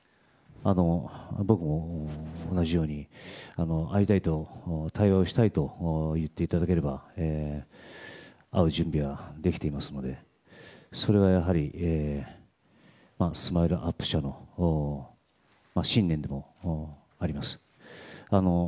僕も同じように会いたいと、対話をしたいと言っていただければ会う準備はできていますのでそれはやはりＳＭＩＬＥ‐ＵＰ．社の信念でもあります。